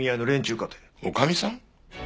女将さん？